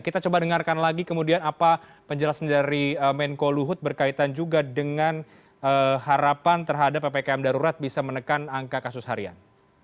kita coba dengarkan lagi kemudian apa penjelasan dari menko luhut berkaitan juga dengan harapan terhadap ppkm darurat bisa menekan angka kasus harian